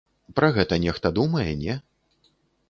Пра гэта нехта думае, не?